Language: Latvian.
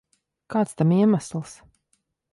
Kāds tam iemesls?